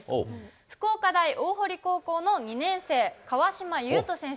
福岡大大濠高校の２年生、川島悠翔選手。